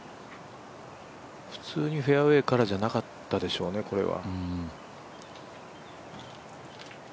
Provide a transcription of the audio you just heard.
普通にフェアウエーからじゃなかったでしょうね、これは。